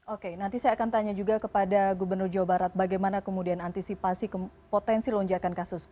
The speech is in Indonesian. oke nanti saya akan tanya juga kepada gubernur jawa barat bagaimana kemudian antisipasi potensi lonjakan kasus